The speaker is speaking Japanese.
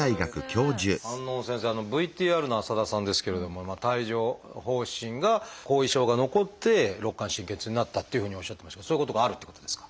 先生ＶＴＲの浅田さんですけれども帯状疱疹が後遺症が残って肋間神経痛になったっていうふうにおっしゃってましたけどそういうことがあるってことですか？